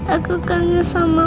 aku kangen sama papa